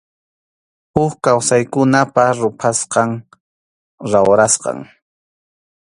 Huk kawsaykunapa ruphasqan, rawrasqan.